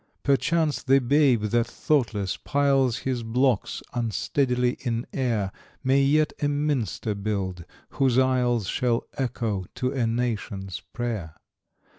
Perchance, the babe that, thoughtless, piles His blocks unsteadily in air, May yet a minster build, whose aisles Shall echo to a nation's prayer.